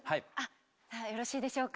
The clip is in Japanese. よろしいでしょうか？